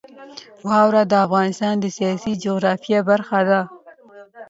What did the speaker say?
واوره د افغانستان د سیاسي جغرافیه برخه ده.